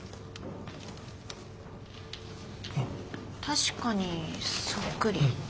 確かにそっくり。